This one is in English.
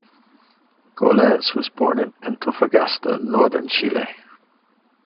Goles was born in Antofagasta, northern Chile.